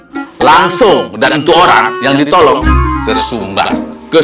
sesumbang keseluruhan orang yang ditolong keseluruhan orang yang ditolong keseluruhan orang yang ditolong